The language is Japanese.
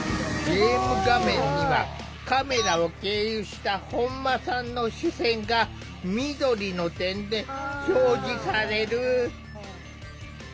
ゲーム画面にはカメラを経由した本間さんの視線が緑の点で表示される。